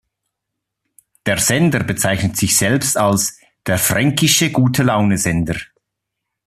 Der Sender bezeichnet sich selbst als "Der fränkische Gute-Laune-Sender".